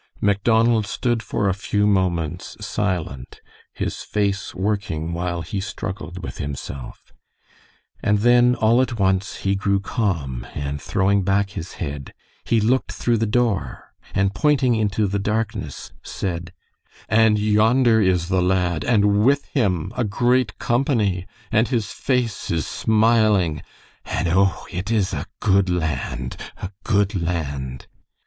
Macdonald stood for a few moments silent, his face working while he struggled with himself. And then all at once he grew calm, and throwing back his head, he looked through the door, and pointing into the darkness, said: "And yonder is the lad, and with him a great company, and his face is smiling, and, oh! it is a good land, a good land!"